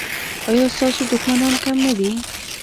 ایا ستاسو دښمنان کم نه دي؟